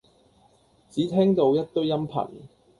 只聽到一堆音頻